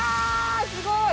すごい！